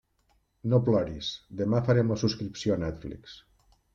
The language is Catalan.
No ploris, demà farem la subscripció a Netflix.